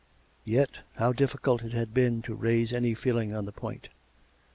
Yet how difficult it had been to raise any feeling on the point.